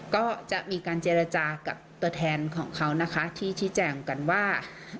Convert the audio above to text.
ก็จะมีการเจรจากับตัวแทนของเขานะคะที่ชี้แจงกันว่า